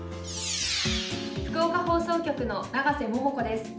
福岡放送局の長瀬萌々子です。